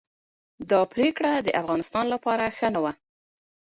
دا پریکړه د افغانستان لپاره ښه نه وه.